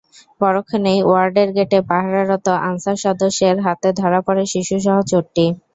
পরক্ষণেই ওয়ার্ডের গেটে পাহারারত আনসার সদস্যের হাতে ধরা পড়ে শিশুসহ চোরটি।